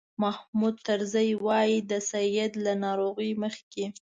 محمود طرزي وایي د سید له ناروغۍ مخکې.